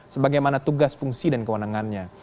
sebagaimana tugas fungsi dan kewenangannya